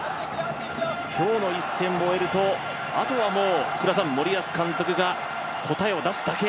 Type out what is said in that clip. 今日の一戦を終えるとあとは森保監督が答えを出すだけ。